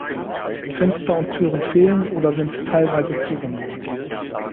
Fenster und Türen fehlen oder sind teilweise zugemauert.